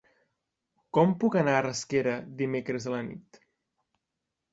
Com puc anar a Rasquera dimecres a la nit?